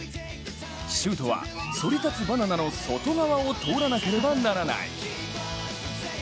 シュートはそり立つバナナの外側を通らなければならない。